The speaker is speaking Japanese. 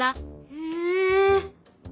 へえ。